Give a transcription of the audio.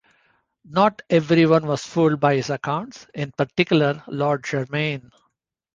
Not everyone was fooled by his accounts, in particular Lord Germain.